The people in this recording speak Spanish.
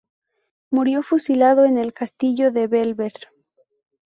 Murió fusilado en el castillo de Bellver.